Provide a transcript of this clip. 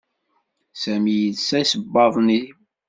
Sami yelsa isebbaḍen iw